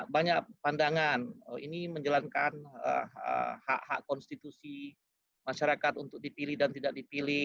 banyak pandangan ini menjalankan hak hak konstitusi masyarakat untuk dipilih dan tidak dipilih